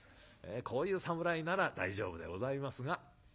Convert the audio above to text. こういう侍なら大丈夫でございますが。